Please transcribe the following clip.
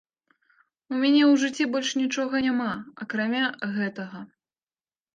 У мяне ў жыцці больш нічога няма, акрамя гэтага.